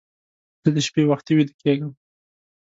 زه د شپې وختي ویده کېږم